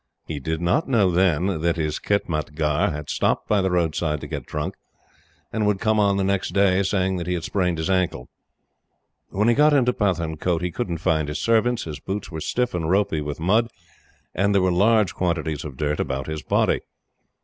He did not know then that his khitmatgar had stopped by the roadside to get drunk, and would come on the next day saying that he had sprained his ankle. When he got into Pathankote, he couldn't find his servants, his boots were stiff and ropy with mud, and there were large quantities of dirt about his body.